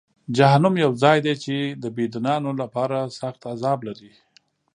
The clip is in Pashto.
جهنم یو ځای دی چې د بېدینانو لپاره سخت عذاب لري.